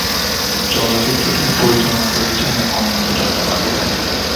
চলচ্চিত্রটি পরিচালনা করেছেন অনিন্দ্য চট্টোপাধ্যায়।